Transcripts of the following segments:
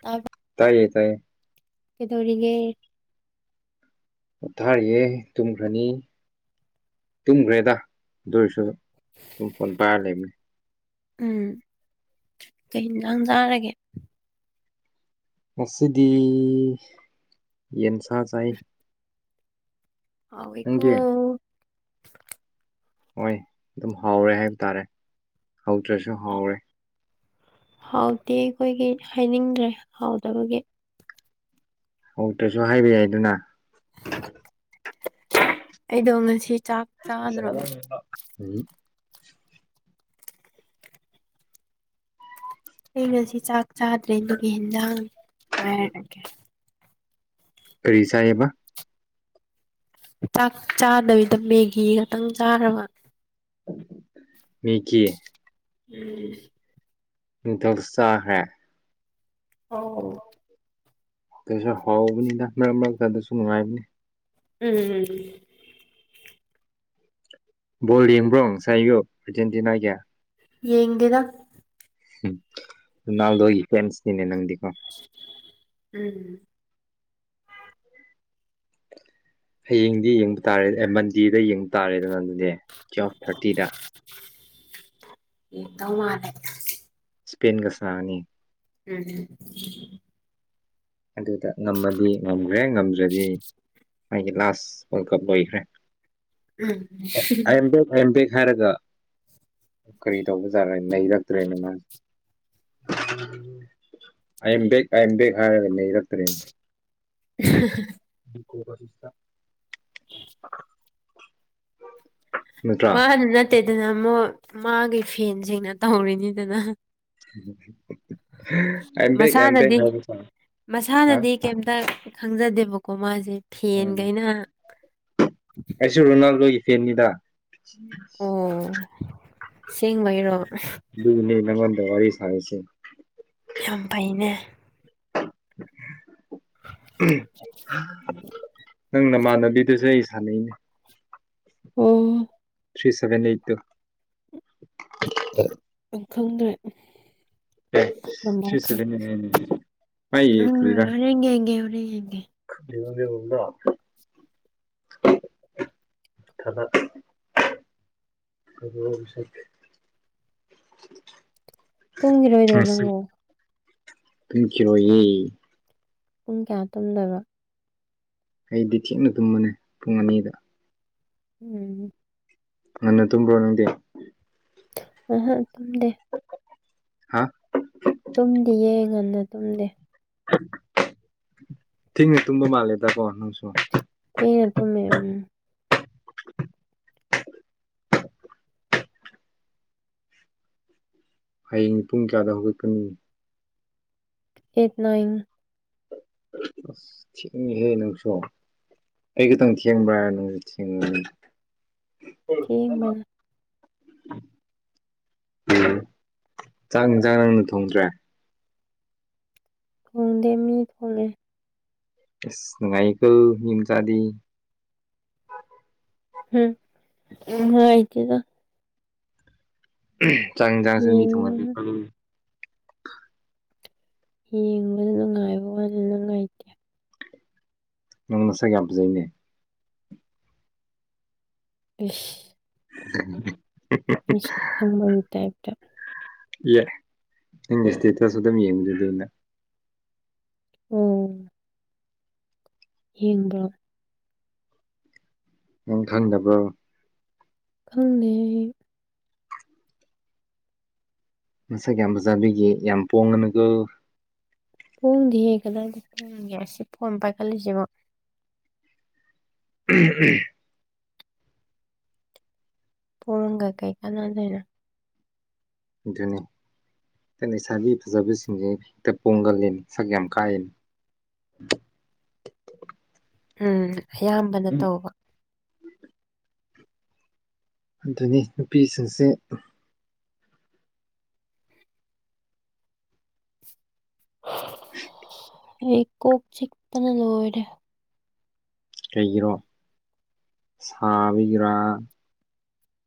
ꯇꯥ [unintelligible] ꯇꯥꯏꯌꯦ ꯇꯥꯏꯌꯦ ꯀꯩꯗꯧꯔꯤꯒꯦ ꯄꯣꯊꯔꯤꯌꯦ ꯇꯨꯝꯈ꯭ꯔꯅꯤ꯫ ꯇꯨꯝꯒ꯭ꯔꯦꯗ ꯑꯗꯨ ꯑꯣꯢꯔꯁꯨ ꯑꯗꯨꯝ ꯐꯣꯟ ꯄꯥꯢꯔ ꯂꯩꯕꯅꯤ꯫ ꯎꯝ ꯀꯩ ꯏꯟꯖꯥꯡ ꯆꯥꯔꯒꯦ ꯉꯁꯤꯗꯤ ꯌꯦꯟꯁꯥ ꯆꯥꯢ꯫ ꯍꯥꯎꯋꯦꯀꯣ ꯅꯪꯗꯤ ꯍꯣꯏ ꯑꯗꯨꯝ ꯍꯥꯎꯔꯦ ꯍꯥꯏꯕ ꯇꯥꯔꯦ ꯍꯧꯗ꯭ꯔꯁꯨ ꯍꯥꯎꯔꯦ ꯍꯥꯎꯇꯦ ꯑꯩꯈꯣꯢꯒꯤ ꯍꯥꯢꯅꯤꯡꯗ꯭ꯔꯦ ꯍꯥꯎꯇꯕꯒꯤ꯫ ꯑꯣꯛꯇꯁꯨ ꯍꯥꯏꯕ ꯌꯥꯏ ꯗꯅ꯫ ꯑꯩꯗꯣ ꯉꯁꯤ ꯆꯥꯛ ꯆꯥꯗ꯭ꯔꯕ꯫ ꯎ [unintelligible] [inaudible] ꯑ ꯉꯁꯤ ꯆꯥꯛ ꯆꯥꯗ꯭ꯔꯦ ꯑꯗꯨꯒꯒꯤ ꯍꯟꯖꯥꯡ ꯍꯥꯏꯔꯒꯦ꯫ ꯀꯔꯤ ꯆꯥꯌꯦꯕꯥ꯫ ꯆꯥꯛ ꯆꯥꯗꯕꯤꯗ ꯃꯦꯒꯤ ꯈꯛꯇꯪ ꯆꯥꯔꯕ꯫ ꯃꯤꯒꯤ꯫ ꯎꯝ ꯍꯤꯗꯛ ꯆꯈ꯭ꯔꯦ꯫ ꯑꯧ꯫ ꯑꯗꯨꯁꯨ ꯍꯥꯎꯕꯅꯤꯅ ꯃꯔꯛ ꯃꯔꯛꯇ ꯑꯗꯨꯁꯨ ꯅꯨꯡꯉꯥꯏꯕꯅꯤ꯫ ꯎꯝ ꯕꯣꯜ ꯌꯦꯡꯕꯔꯣ ꯉꯁꯥꯏ ꯑꯌꯨꯛ ꯑꯔꯒꯦꯟꯇꯤꯅꯥ ꯒꯤ꯫ ꯌꯦꯡꯗꯦꯗ ꯎꯝ ꯅꯜꯗꯒꯤꯤ ꯀꯟꯁꯇꯅꯦ ꯅꯪꯗꯤꯒꯣ ꯎꯝ꯫ ꯍꯌꯦꯡꯗꯤ ꯌꯦꯡꯕ ꯇꯥꯔꯦ ꯃꯟꯗꯦꯗ ꯌꯦꯡꯕ ꯇꯥꯔꯦꯗꯅ ꯑꯗꯨꯗꯤ ꯇꯨꯌꯦꯜꯐ ꯊꯥꯔꯇꯤꯗ ꯫ ꯏꯗꯧ ꯃꯥꯜꯂꯦ꯫ ꯁ꯭ꯄꯦꯟꯒ ꯁꯅꯒꯅꯤ꯫ ꯎꯝ꯫ ꯑꯗꯨꯗ ꯉꯝꯃꯗꯤ ꯉꯝꯈ꯭ꯔꯦ ꯉꯝꯗ꯭ꯔꯗꯤ꯫ ꯑꯩꯒꯤ ꯂꯥꯁ ꯋꯥꯔꯜ ꯀꯞ ꯂꯣꯢꯈ꯭ꯔꯦ꯫ ꯎꯝ ꯑ I am back I am back ꯍꯥꯢꯔꯒ ꯀꯔꯤ ꯇꯧꯕꯖꯥꯔꯦ ꯅꯩꯔꯛꯇ꯭ꯔꯦꯅ ꯃꯥꯁꯦ꯫ ꯑꯦꯝ ꯗꯦꯛ ꯑꯦꯝꯗꯦꯛ ꯍꯥꯏꯔꯒ ꯅꯔꯛꯇ꯭ꯔꯤꯅꯦ꯫ [unintelligible] [unintelligible] [unintelligible] ꯅꯠꯇ꯭ꯔꯥ ꯃꯥꯅ ꯅꯠꯇꯦꯗꯅ ꯑꯃꯨꯛ ꯃꯥꯒꯤ ꯐꯦꯟꯁꯤꯡꯅ ꯇꯧꯔꯤꯅꯤꯗꯅ ꯑꯥꯝ ꯕꯦꯛ ꯑꯥꯝ ꯕꯦꯛ ꯃꯁꯥꯅꯗꯤ ꯍꯥꯏꯕꯇꯥ ꯃꯁꯥꯅꯗꯤ ꯀꯩꯝꯇ ꯈꯪꯖꯗꯦꯕꯀꯣ ꯃꯥꯁꯦ ꯎꯝ ꯐꯦꯟꯈꯩꯅ [inaudible] ꯁꯨ ꯔꯣꯅꯥꯜꯗꯣꯒꯤ ꯐꯦꯟꯅꯤꯗ꯫ ꯑꯪ ꯁꯦꯡꯕꯩꯔꯣ꯫ ꯑꯗꯨꯅꯦ ꯅꯪꯉꯣꯟꯗ ꯋꯥꯔꯤ ꯁꯥꯔꯤꯁꯦ꯫ ꯌꯥꯝ ꯐꯩꯅꯦ ꯎꯝ꯫ ꯅꯪ ꯅꯃꯥꯟꯅꯕꯤꯗꯨꯁꯨ ꯑꯩ ꯁꯥꯟꯅꯩꯅꯦ꯫ ꯑꯣ ꯊ꯭ꯔꯤ ꯁꯕꯦꯟ ꯑꯩꯇ ꯇꯨ [unintelligible] ꯈꯪꯗ꯭ꯔꯦ ꯑꯦ ꯑꯗꯨꯝ ꯊ꯭ꯔꯤ ꯁꯚꯦꯟ ꯑꯩꯠ ꯃꯥꯒꯤ ꯀꯔꯤꯔꯥ ꯍꯣꯔꯦꯟ ꯌꯦꯡꯒꯦ ꯍꯣꯔꯦꯟ ꯌꯦꯡꯒꯦ꯫ [unintelligible] [unintelligible] ꯇꯨꯝꯈꯤꯔꯣꯏꯗ꯭ꯔꯣ ꯉꯁꯤ ꯅꯪꯕꯨ꯫ ꯇꯨꯝꯈꯤꯔꯣꯏꯌꯦ ꯄꯨꯡ ꯀꯌꯥ ꯇꯨꯝꯗꯕ꯫ ꯑꯩꯗꯤ ꯊꯦꯡꯅ ꯇꯨꯝꯕꯅꯦ ꯄꯨꯡ ꯑꯅꯤꯗ ꯎꯝ ꯉꯟꯅ ꯇꯨꯝꯕ꯭ꯔꯣ ꯅꯪꯗꯤ꯫ ꯑꯍ ꯇꯨꯝꯗꯦ ꯍꯥꯥ꯫ ꯇꯨꯝꯗꯤꯌꯦ ꯉꯟꯂꯦ ꯇꯨꯝꯗꯦ꯫ [unintelligible] ꯃꯟꯂꯦꯗꯀꯣ ꯅꯪꯁꯨ꯫ ꯊꯦꯡꯅ ꯇꯨꯝꯃꯦ ꯎꯝ ꯍꯌꯦꯡ ꯄꯨꯡ ꯀꯌꯥꯗ ꯍꯧꯒꯠꯀꯅꯤ ꯑꯩꯠ ꯅꯥꯏꯟ [unintelligible] ꯊꯦꯡꯉꯦꯍꯦ ꯅꯪꯁꯨ ꯑꯩ ꯈꯤꯇꯪ ꯊꯦꯡꯕ꯭ꯔꯥ ꯅꯪꯁꯨ ꯊꯦꯡꯉꯦ [unintelligible] ꯊꯦꯡꯕꯅꯦ ꯎꯝ ꯆꯥꯛ ꯏꯟꯖꯥꯡ ꯅꯪꯅ ꯊꯣꯡꯗ꯭ꯔꯦ ꯈꯪꯗꯦ ꯃꯤ ꯊꯣꯛꯂꯛꯑꯦ ꯏꯁ ꯅꯨꯡꯉꯏꯀꯣ ꯃꯤꯃꯆꯥꯗꯤ꯫ ꯎꯝ ꯅꯨꯡꯉꯥꯏꯇꯦꯗ ꯆꯥꯛ ꯌꯦꯟꯁꯥꯡꯁꯨ ꯃꯤ ꯊꯨꯡꯍꯜ ꯌꯦꯡꯕꯗ [unintelligible] ꯎꯝ꯫ ꯅꯪ ꯅꯁꯥꯛ ꯌꯥꯝ ꯐꯖꯩꯅꯦ ꯏꯁ꯫ [unintelligible] ꯏꯁ ꯈꯪꯕꯒꯤ ꯇꯥꯏꯤꯞꯇ꯫ [unintelligible] ꯅꯪꯒꯤ ꯏꯁꯇꯦꯇꯁꯁꯨ ꯑꯗꯨꯝ ꯌꯦꯡꯖꯗꯨꯅ꯫ ꯑꯣ ꯌꯦꯡꯕ꯭ꯔꯣ ꯎꯝ ꯈꯪꯗꯕ꯭ꯔꯣ ꯈꯪꯗꯦ ꯑꯩ ꯃꯁꯛ ꯌꯥꯝ ꯐꯖꯥꯕꯤꯒꯤ ꯌꯥꯝ ꯄꯣꯡꯉꯅꯨꯀꯣ ꯄꯣꯡꯗꯤꯌꯦ ꯀꯗꯥꯏꯗꯒꯤ ꯄꯣꯡꯒꯦ ꯑꯁꯤ ꯐꯣꯟꯝ ꯄꯥꯏꯈꯠꯂꯤꯁꯤꯕꯣ ꯎꯝ ꯎꯝ꯫ ꯄꯣꯔꯝꯒ ꯀꯩ ꯀꯥꯟꯅꯥ ꯂꯩꯅꯣ꯫ ꯑꯗꯨꯅꯤ ꯅꯣꯏꯠꯂꯩꯁꯥꯕꯤ ꯐꯖꯕꯁꯤꯡꯁꯦ ꯍꯦꯛꯇ ꯄꯣꯡꯒꯜꯂꯤꯅ ꯁꯛ ꯌꯥꯝ ꯀꯥꯛꯑꯅꯦ ꯎꯝ ꯑꯌꯥꯝꯕꯅ ꯇꯧꯕ ꯑꯗꯨꯅꯤ ꯅꯨꯄꯤꯁꯤꯡꯁꯦ꯫ [unintelligible] ꯑꯩ ꯀꯣꯛ ꯆꯤꯛꯄꯅ ꯂꯣꯏꯔꯦ ꯀꯩꯒꯤꯔꯣ꯫ ꯁꯥꯕꯤꯒꯔꯥ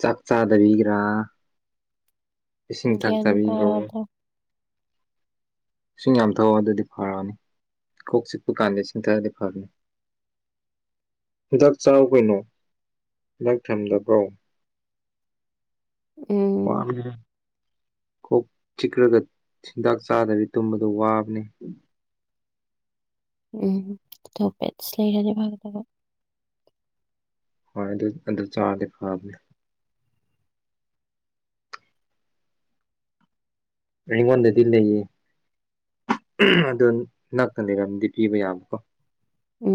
ꯆꯥꯛ ꯆꯥꯗꯕꯒꯤꯔꯥ ꯏꯁꯤꯡ ꯊꯛ ꯒ꯭ꯌꯥꯟ ꯇꯥꯕꯤꯔꯣ ꯇꯥꯗ꯭ꯔꯦ ꯏꯁꯤꯡ ꯌꯥꯝ ꯊꯛꯑꯣ ꯑꯗꯨꯗꯤ ꯐꯔꯛꯅꯤ ꯀꯣꯛ ꯆꯤꯛꯄ ꯀꯥꯟꯗ ꯏꯁꯤꯡꯊꯛꯑꯗꯤ ꯐꯕꯅꯤ꯫ ꯍꯤꯗꯥꯛ ꯆꯥꯎ ꯀꯩꯅꯣ ꯍꯤꯗꯥꯛ ꯊꯝꯗꯕ꯭ꯔꯣ꯫ ꯎꯝ ꯋꯕꯒꯤꯗꯤ꯫ ꯀꯣꯛ ꯆꯤꯛꯀꯔꯥꯒ ꯆꯤꯟꯗꯥꯛ ꯆꯥꯗꯕꯤ ꯇꯨꯝꯕꯗꯣ ꯋꯥꯕꯅꯦ ꯎꯝ ꯏꯁꯇꯣꯄꯦꯁ ꯂꯩꯔꯗꯤ ꯐꯒꯗꯕ ꯐꯔꯗꯤ ꯑꯗꯨ ꯆꯥꯔꯗꯤ ꯐꯥꯕꯅꯦ꯫ ꯑꯩꯉꯣꯟꯗꯗꯤ ꯂꯩꯌꯦ꯫ ꯑꯗꯨꯅꯤ ꯅꯛꯇ ꯂꯩꯔꯝꯃꯗꯤ ꯄꯤꯕ ꯌꯥꯕꯀꯣ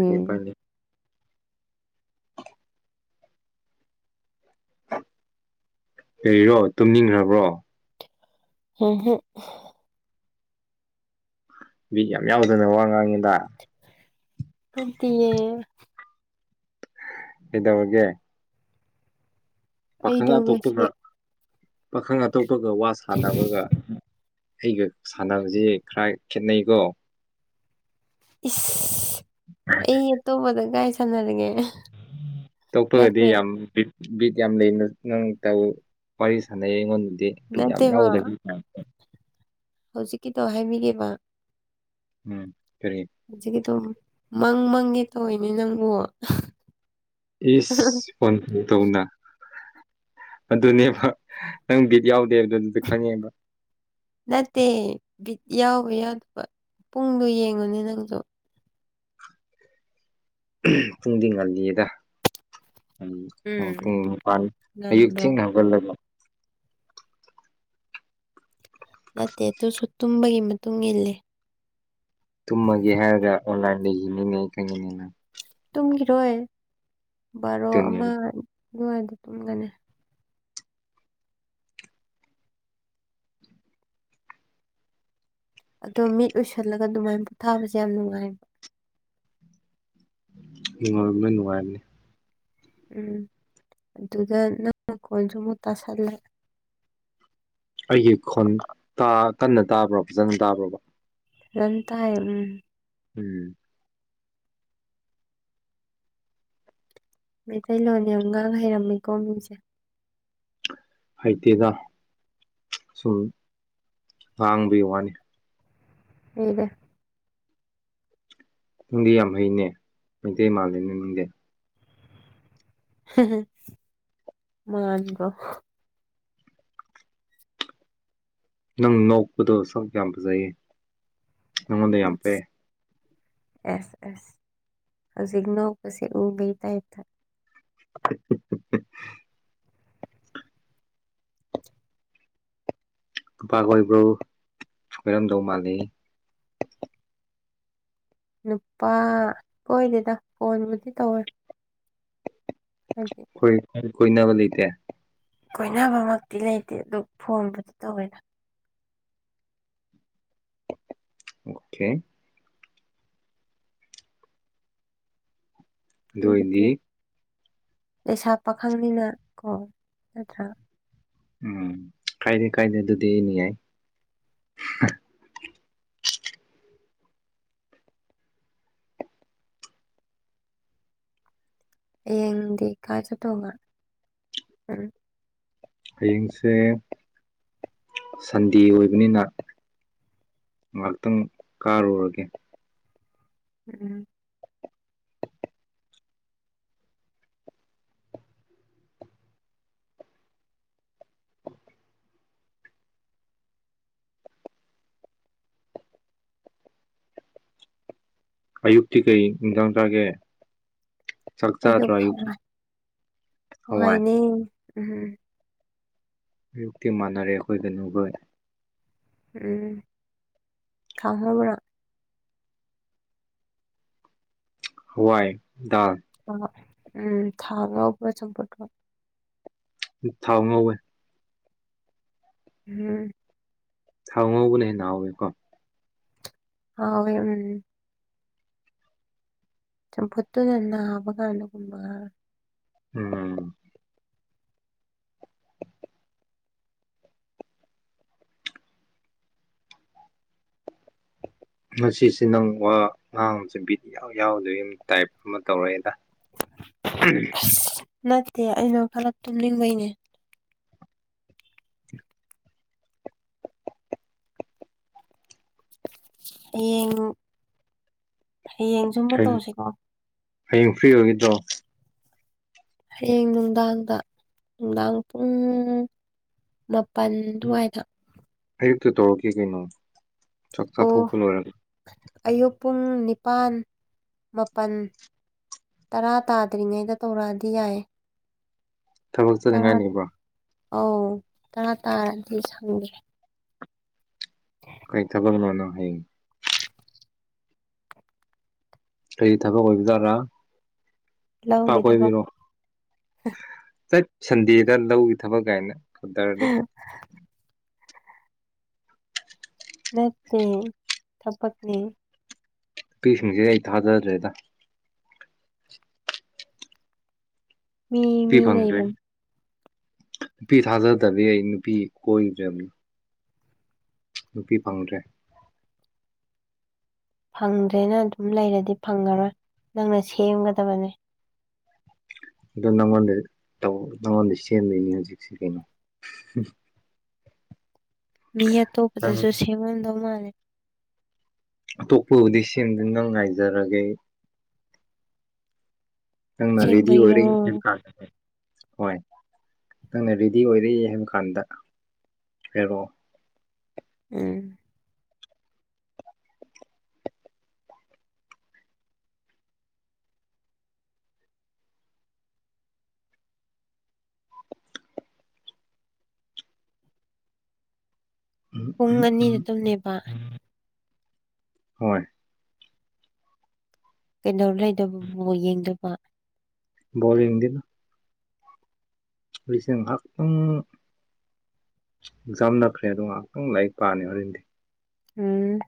ꯀꯔꯤ ꯎꯄꯥꯏ ꯂꯩ꯫ ꯀꯔꯤꯔꯣ ꯇꯨꯝꯅꯤꯡꯈ꯭ꯔꯕ꯭ꯔꯣ꯫ ꯍꯦꯍꯦꯠ꯫ ꯕꯤꯠ ꯌꯥꯝ ꯌꯥꯎꯗꯅ ꯋꯥ ꯉꯥꯡꯉꯤꯗ꯫ ꯅꯠꯇꯤꯌꯦ꯫ ꯀꯩꯗꯧꯔꯒꯦ꯫ ꯄꯥꯈꯪ ꯑꯩꯗꯣ ꯉꯁꯤ ꯑꯇꯣꯞꯄꯒ ꯄꯥꯈꯪ ꯑꯇꯣꯞꯄꯒ ꯋꯥ ꯁꯥꯟꯅꯕꯒ꯫ ꯑꯩꯒ ꯁꯥꯟꯅꯕꯁꯤ ꯈꯔ ꯈꯦꯠꯅꯩꯀꯣ ꯏꯁ ꯑꯩ ꯑꯇꯣꯞꯄꯗ ꯒꯥꯏ ꯁꯥꯟꯅꯔꯒꯦ꯫ ꯇꯣꯛꯄꯒꯗꯤ ꯅꯠꯇꯦ ꯌꯥꯝ ꯄꯤ꯫ ꯕꯤꯠ ꯌꯥꯝ ꯂꯩꯅ ꯅꯪ ꯇꯧ ꯋꯥꯔꯤ ꯁꯥꯟꯅꯩ ꯑꯩꯉꯣꯟꯗꯗꯤ ꯕꯤꯠ ꯌꯥꯝ ꯅꯠꯇꯦꯕ ꯌꯥꯎꯗꯕꯤ ꯍꯧꯖꯤꯛꯀꯤꯗꯣ ꯍꯥꯏꯕꯤꯒꯦꯕ꯫ ꯎꯝ ꯀꯔꯤ ꯍꯧꯖꯤꯛꯀꯤ ꯑꯗꯨꯝ ꯃꯪ ꯃꯪꯒꯦ ꯇꯧꯋꯦꯅꯦ ꯅꯪꯕꯨ꯫ ꯏꯁ꯫ ꯐꯣꯟ ꯇꯧꯅ ꯑꯗꯨꯅꯦꯕ ꯅꯪ ꯕꯤꯠ ꯌꯥꯎꯗꯦ ꯍꯥꯏꯕꯗꯨ [unintelligible] ꯅꯠꯇꯦ ꯕꯤꯠ ꯌꯥꯎꯕ ꯌꯥꯎꯗꯕ ꯄꯨꯡꯗꯣ ꯌꯦꯡꯉꯨꯅꯦ ꯅꯪꯁꯨ꯫ ꯄꯨꯡꯗꯤ ꯉꯜꯂꯤꯗ ꯎꯝ ꯄꯨꯡ ꯅꯤꯄꯥꯟ ꯑꯌꯨꯛ ꯉꯟꯕ꯭ꯔꯣ ꯊꯦꯡꯅ꯫ [unintelligible] ꯅꯠꯇꯦ ꯇꯨꯁꯨ ꯇꯨꯝꯕꯒꯤ ꯃ꯫ ꯇꯨꯡ ꯏꯜꯂꯦ꯫ ꯇꯨꯝꯃꯒꯦ ꯍꯥꯏꯔꯒ ꯑꯣꯟꯂꯥꯏꯟꯗ ꯂꯩꯅꯤꯅꯦ ꯈꯪꯒꯤꯅꯤꯅ꯫ ꯇꯨꯝꯈꯤꯔꯣꯏ ꯕꯥꯔꯣ ꯑꯃ ꯑꯗꯨꯅꯦꯕ ꯑꯗꯨꯋꯥꯏꯗ ꯇꯨꯝꯒꯅꯤ ꯑꯗꯣ ꯃꯤꯠ ꯎꯏꯁꯜꯂꯒ ꯑꯗꯨꯃꯥꯏꯅ ꯄꯣꯊꯥꯕꯁꯦ ꯌꯥꯝ ꯅꯨꯡꯉꯥꯏꯌꯦꯕ ꯅꯨꯡꯉꯥꯏꯕꯅꯦ ꯅꯨꯡꯉꯥꯏꯕꯅꯦ ꯎꯝ ꯑꯗꯨꯗ ꯅꯪ ꯃꯈꯣꯟꯁꯨ ꯑꯃꯨꯛ ꯇꯥꯁꯜꯂꯦ ꯑꯩꯒꯤ ꯈꯣꯟ ꯀꯟꯅ ꯇꯥꯕ꯭ꯔꯣ ꯐꯖꯅ ꯇꯥꯕ꯭ꯔꯣ꯫ [unintelligible] ꯎꯝ ꯃꯩꯇꯩꯂꯣꯟ ꯌꯥꯝ ꯉꯥꯡ ꯍꯩꯔꯝꯃꯤꯀꯣ ꯃꯤꯁꯦ꯫ ꯍꯩꯇꯦꯗ ꯁꯨꯝ ꯉꯥꯡꯕꯒꯤ ꯋꯥꯅꯤ ꯂꯩꯗꯦ ꯅꯪꯗꯤ ꯌꯥꯝ ꯍꯩꯅꯦ ꯃꯩꯇꯩ ꯃꯥꯜꯂꯤꯅꯦ ꯅꯪꯗꯤ ꯃꯥꯟꯒꯣ ꯅꯪ ꯅꯣꯛꯄꯗꯣ ꯁꯛ ꯌꯥꯝ ꯐꯖꯩꯌꯦ ꯅꯪꯉꯣꯟꯗ ꯌꯥꯝ ꯄꯩꯌꯦ ꯑꯦꯁ ꯑꯦꯁ ꯍꯧꯖꯤꯛ ꯅꯣꯛꯄꯁꯤ ꯎꯕꯩ ꯇꯥꯏꯞꯇ [unintelligible] ꯅꯨꯄꯥ ꯀꯣꯏꯕ꯭ꯔꯣ ꯀꯣꯏꯔꯝꯗꯧ ꯃꯥꯜꯂꯤ ꯅꯨꯄꯥ ꯀꯣꯏꯗꯦꯗ ꯐꯣꯟꯕꯨꯗꯤ ꯇꯧꯋꯦ ꯍꯥꯏꯗꯤ ꯑꯩꯣꯏ ꯀꯣꯏꯅꯕ ꯂꯩꯇꯦ ꯀꯣꯏꯅꯕꯃꯛꯇꯤ ꯂꯩꯇꯦ ꯑꯗꯨ ꯐꯣꯟꯕꯨꯗꯤ ꯇꯧꯋꯦꯅ ꯑꯣꯀꯦ ꯗꯨ ꯑꯣꯏꯗꯤ ꯂꯩꯩꯁꯥ ꯄꯥꯈꯪꯅꯤꯅ ꯀꯣ ꯅꯠꯇ꯭ꯔꯥ ꯎꯝ ꯀꯥꯏꯗꯦ ꯀꯥꯏꯗꯦ ꯑꯗꯨꯗꯤ ꯑꯩꯅ ꯌꯥꯏ ꯍꯌꯦꯡꯗꯤ ꯀꯥꯏ ꯆꯠꯇꯧꯉꯥ ꯎꯝ ꯍꯌꯦꯡꯁꯦ ꯁꯟꯗꯦ ꯑꯣꯏꯕꯅꯤꯅ ꯉꯥꯛꯇꯪ ꯀꯥꯔꯨꯔꯒꯦ ꯎꯝ ꯑꯌꯨꯛꯇꯤ ꯀꯩ ꯏꯟꯖꯥꯡ ꯆꯥꯒꯦ ꯆꯥꯛ ꯑꯩꯁꯨ ꯆꯥꯗ꯭ꯔꯣ ꯑꯌꯨꯛꯁꯨ ꯈꯪꯉꯣꯢ ꯍꯋꯥꯏ ꯍꯋꯥꯏꯅꯦ ꯎꯝ ꯑꯌꯨꯛꯇꯤ ꯃꯥꯟꯅꯔꯦ ꯑꯩꯈꯣꯏ ꯇꯅꯨꯈꯣꯏ ꯎꯝ ꯊꯝꯈꯕ꯭ꯔꯣ ꯅꯪ ꯍꯋꯥꯏ ꯗꯥꯜ ꯍꯣ ꯍꯣꯢ ꯎꯝ ꯊꯥꯒ ꯌꯥꯕ ꯆꯠꯄꯗꯣ ꯊꯥꯎ ꯉꯧꯋꯦ ꯎꯝ ꯊꯥꯎ ꯉꯧꯕꯅ ꯍꯦꯟꯅ ꯍꯥꯎꯋꯤꯀꯣ ꯑꯥ ꯋꯦ ꯎꯝ ꯆꯝꯐꯨꯠꯇꯨꯗ ꯅꯥꯕ ꯀꯥꯟꯗꯒꯨꯝꯕ ꯎꯝ ꯉꯁꯤꯁꯦ ꯅꯪ ꯋꯥ ꯉꯥꯡꯕꯁꯦ ꯕꯤꯠ ꯏꯌꯥꯎ ꯌꯥꯎꯗꯣꯏ ꯇꯥꯏꯞ ꯑꯃ ꯇꯧꯔꯛꯑꯦꯗ ꯎꯝ ꯑꯁ ꯅꯠꯇꯦ ꯑꯩꯗꯣ ꯈꯔ ꯇꯨꯝꯅꯤꯡꯕꯩꯅꯦ ꯍꯌꯦꯡ ꯍꯌꯦꯡꯖꯨ ꯑꯃꯨꯛ ꯍꯌꯦꯡ ꯇꯧꯁꯤꯀꯣ ꯍꯌꯦꯡ ꯐ꯭ꯔꯤ ꯑꯣꯏꯒꯗ꯭ꯔꯣ ꯍꯌꯦꯡ ꯅꯨꯡꯗꯥꯡꯗ ꯅꯨꯡꯗꯥꯡ ꯄꯨꯡ ꯄꯟꯗꯨꯋꯥꯢꯗ ꯑꯌꯨꯛꯇ ꯇꯧꯔꯛꯀꯦ ꯀꯩꯅꯣ ꯆꯥꯛ ꯑꯣ ꯆꯥꯊꯣꯛꯄ ꯂꯣꯏꯔꯒꯦ ꯑꯌꯨꯛ ꯄꯨꯡ ꯅꯤꯄꯥꯜ ꯃꯥꯄꯜ ꯇꯔꯥ ꯇꯥꯗ꯭ꯔꯤꯉꯩꯗ ꯇꯧꯔꯛꯑꯗꯤ ꯌꯥꯏꯌꯦ ꯊꯕꯛ ꯆꯠꯅꯤꯡꯉꯥꯏ ꯂꯩꯕ꯭ꯔꯣ ꯑꯧ ꯇꯔꯥ ꯇꯥꯔꯗꯤ ꯁꯪꯗꯦ ꯀꯔꯤ ꯊꯥꯕꯛꯅꯣ ꯅꯪꯗꯤ ꯀꯔꯤ ꯊꯕꯛ ꯑꯣꯏꯕꯖꯔꯥ ꯅꯨꯄꯥ ꯂꯧꯒꯤ ꯊꯕꯛ ꯀꯣꯏꯕꯩꯔꯣ ꯆꯠ ꯁꯟꯗꯦꯗ ꯂꯧꯒꯤ ꯊꯕꯛ ꯀꯥꯏꯅ ꯀꯗꯔꯗꯤ ꯅꯠꯇꯦ ꯊꯕꯛꯅꯦ ꯅꯨꯄꯤꯁꯤꯡꯖꯦ ꯑꯩ ꯊꯥꯗꯗ꯭ꯔꯦꯗ ꯃꯤ ꯅꯨꯄꯤ ꯃꯤ ꯐꯪꯗ꯭ꯔꯦ ꯂꯩꯕ ꯅꯨꯄꯤ ꯊꯥꯖꯗꯕꯒꯤ ꯑꯩ ꯅꯨꯄꯤ ꯀꯣꯏꯗ꯭ꯔꯦ ꯅꯨꯄꯤ ꯐꯪꯗ꯭ꯔꯦ ꯐꯪꯗ꯭ꯔꯦꯅ ꯑꯗꯨꯝ ꯂꯩꯔꯗꯤ ꯐꯪꯉꯔꯣꯏ ꯅꯪꯅ ꯁꯦꯝꯒꯗꯕꯅꯦ ꯑꯗꯣ ꯅꯪꯉꯣꯟꯗꯩ ꯇꯧ ꯅꯉꯣꯟꯗꯩ ꯁꯦꯟꯗꯣꯏꯅꯤ ꯍꯧꯖꯤꯛꯁꯦ ꯀꯩꯅꯣ [unintelligible] [inaudible] ꯃꯤ ꯅꯪ ꯑꯇꯣꯞꯄꯗꯁꯨ ꯁꯦꯝꯃꯝꯗꯧ ꯃꯥꯜꯂꯦ ꯑꯇꯣꯞꯄꯕꯨꯗꯤ ꯁꯦꯡꯅ ꯅꯪ ꯉꯥꯏꯖꯔꯒꯦ ꯅꯪꯅ ꯔꯦꯗꯤ ꯑꯣꯏꯔꯦ ꯁꯦꯡꯕꯩꯔꯣ ꯀꯥꯗ ꯍꯣꯏ ꯅꯪꯅ ꯔꯦꯗꯤ ꯑꯣꯏꯔꯦ ꯍꯥꯏꯕ ꯀꯥꯟꯗ ꯍꯥꯏꯔꯛꯑꯣ ꯎꯝ ꯎꯝ ꯄꯨꯡ ꯎꯝ ꯎꯝ ꯑꯅꯤꯗ ꯇꯝꯅꯦꯕ ꯍꯣꯏ ꯀꯩꯗꯧ ꯂꯩꯗꯣꯕ ꯕꯣꯜ ꯌꯦꯡꯗꯣꯕ ꯕꯣꯔꯤꯡꯗꯤ ꯑꯩꯁꯤꯡ ꯑꯦꯝ ꯑꯦꯛꯖꯥꯝ ꯅꯛꯈ꯭ꯔꯦꯑꯗꯨ ꯉꯍꯥꯛꯇꯪ ꯂꯥꯏꯔꯤꯛ ꯄꯥꯅꯤ ꯍꯣꯔꯦꯟꯗꯤ ꯎꯝ